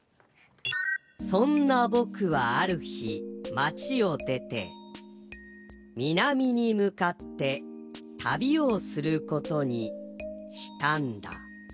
「そんなぼくはあるひ、まちをでてみなみにむかってたびをすることにしたんだ」。